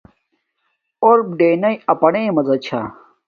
اݸرپ ڈݵئنݳئی اَپَنݵئی مزہ چھݳ.